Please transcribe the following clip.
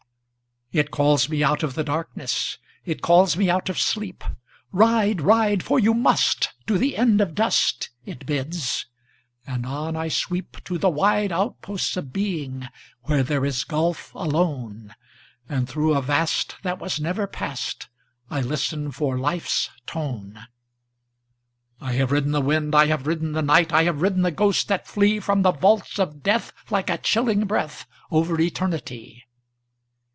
It calls me out of the darkness, It calls me out of sleep,"Ride! ride! for you must, to the end of Dust!"It bids—and on I sweepTo the wide outposts of Being, Where there is Gulf alone—And thro' a Vast that was never passedI listen for Life's tone.I have ridden the wind,I have ridden the night,I have ridden the ghosts that fleeFrom the vaults of death like a chilling breathOver eternity.